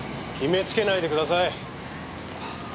決めつけないでください。